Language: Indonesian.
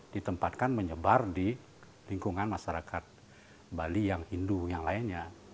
ditempatkan menyebar di lingkungan masyarakat bali yang hindu yang lainnya